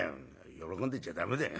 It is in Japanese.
「喜んでちゃ駄目だよ。